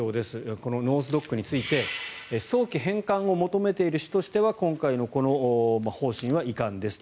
このノース・ドックについて早期返還を求めている市としては今回の方針は遺憾ですと。